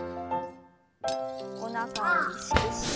おなかを意識して。